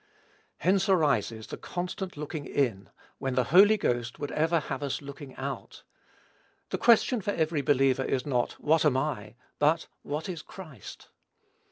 Hence arises the constant looking in, when the Holy Ghost would ever have us looking out. The question for every believer is not, "what am I?" but, "what is Christ?"